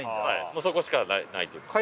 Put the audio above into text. そこしかないというか。